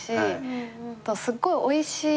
すっごいおいしい